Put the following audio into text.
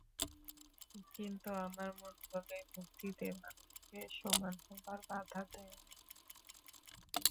কিন্তু আমার মন বলে, ভক্তিতে মানুষকে সমান হবার বাধা দেয় না।